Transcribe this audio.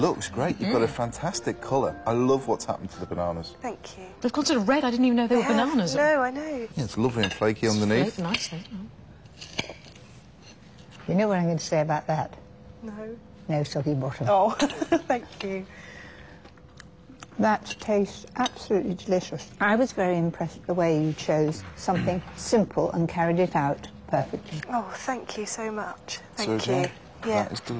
はい。